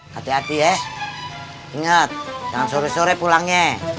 hati hati ya ingat jangan sore sore pulangnya